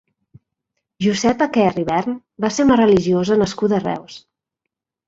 Josepa Quer Ivern va ser una religiosa nascuda a Reus.